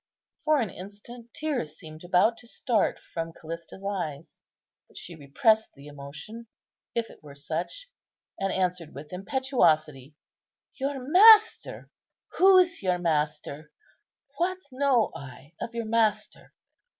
For an instant tears seemed about to start from Callista's eyes, but she repressed the emotion, if it were such, and answered with impetuosity, "Your Master! who is your Master? what know I of your Master?